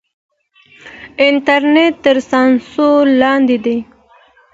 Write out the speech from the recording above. انټرنېټ تر سانسور لاندې دی.